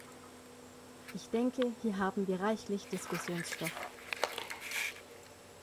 Ich denke, hier haben wir reichlich Diskussionsstoff.